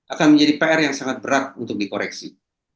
akan menjadi pr yang sangat berat untuk dikoreksi